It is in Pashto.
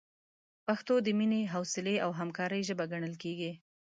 پښتو د مینې، حوصلې، او همکارۍ ژبه ګڼل کېږي.